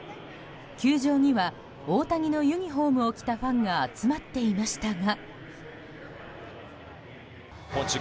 球場には大谷のユニホームを着たファンが集まっていましたが。